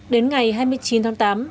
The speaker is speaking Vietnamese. đến ngày hai mươi chín tháng tám